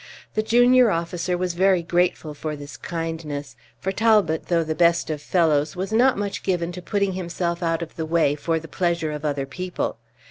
The junior officer was very grateful for this kindness; for Talbot, though the best of fellows, was not much given to putting himself out of the way for the pleasure of other people.